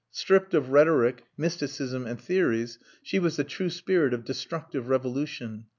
Stripped of rhetoric, mysticism, and theories, she was the true spirit of destructive revolution.